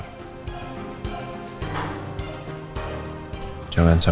aku pasti akan mencari